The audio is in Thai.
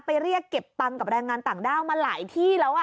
เรียกเก็บตังค์กับแรงงานต่างด้าวมาหลายที่แล้ว